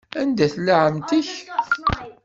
Anda tella ɛemmti-k?